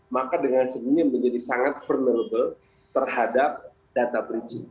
maka dengan senyum menjadi sangat vulnerable terhadap data breaching